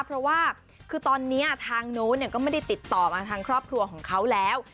เพราะว่าคือตอนนี้ทางนู้นก็ไม่ได้ติดต่อมาทางครอบครัวของเขาแล้ว